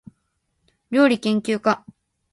りょうりけんきゅうか